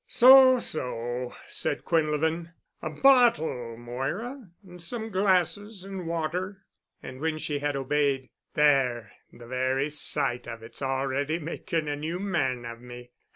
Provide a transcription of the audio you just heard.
"So, so," said Quinlevin. "A bottle, Moira—and some glasses and water," and when she had obeyed, "There—the very sight of it's already making a new man of me.